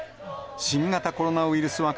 新型コロナウイルス